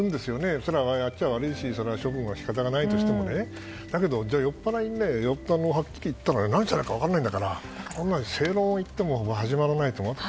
これはやっちゃ悪いし処分は仕方がないとしても酔っ払いにはっきり言ったら何をされるか分からないから正論を言っても始まらないと。